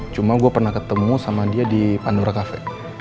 cuma gue pernah ketemu sama dia di pandora kafe